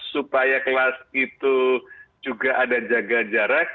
supaya kelas itu juga ada jaga jarak